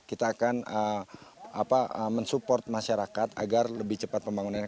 kita akan mensupport masyarakat agar lebih cepat pembangunannya